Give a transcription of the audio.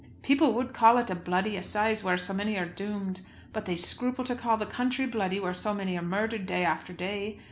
People would call it a bloody assize where so many are doomed. But they scruple to call the country bloody where so many are murdered day after day.